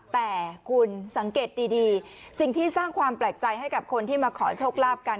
แต่คุณสังเกตดีสิ่งที่สร้างความแปลกใจให้กับคนที่มาขอโชคลาภกัน